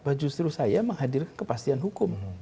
bahwa justru saya menghadirkan kepastian hukum